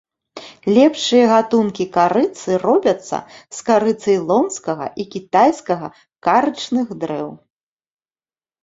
Лепшыя гатункі карыцы робяцца з кары цэйлонскага і кітайскага карычных дрэў.